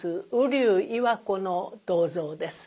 瓜生岩子の銅像です。